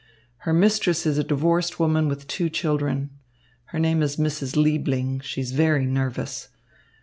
"Her mistress is a divorced woman with two children. Her name is Mrs. Liebling. She is very nervous.